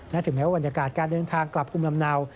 นั่นถึงแม้วันยากาศการเดินทางกลับพุมลำเนา